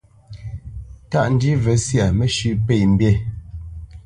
Tâʼ ndî mvə syâ mə́shʉ̄ pə̂ mbî.